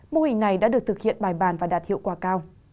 mô hình này đã được thực hiện bài bàn và đạt hiệu quả cao